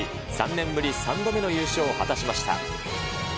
３年ぶり３度目の優勝を果たしました。